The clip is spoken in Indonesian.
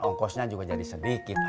ongkosnya juga jadi sedikit